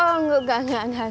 oh enggak enggak enggak